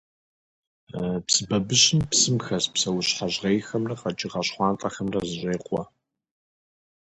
Псы бабыщым псым хэс псэущхьэ жьгъейхэмрэ къэкӏыгъэ щхъуантӏэхэмрэ зэщӏекъуэ.